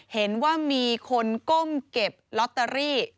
เห็นว่ามีคนก้มเก็บลอตเตอรี่